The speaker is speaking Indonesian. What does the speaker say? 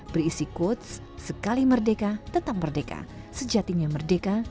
berisi quotes sekali merdeka tetap merdeka sejatinya merdeka